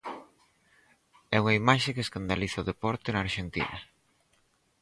E unha imaxe que escandaliza o deporte na Arxentina.